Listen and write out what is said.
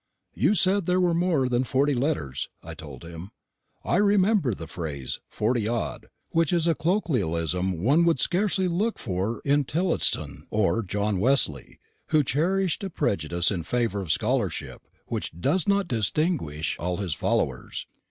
"You said there were more than forty letters," I told him; "I remember the phrase 'forty odd,' which is a colloquialism one would scarcely look for in Tillotson or in John Wesley, who cherished a prejudice in favour of scholarship which does not distinguish all his followers.